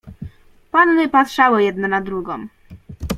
"Panny patrzały jedna na drugą."